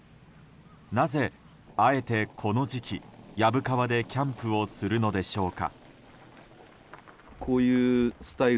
なぜあえてこの時期薮川でキャンプをするのでしょうか。